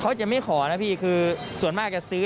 เขาจะไม่ขอนะพี่คือส่วนมากจะซื้อ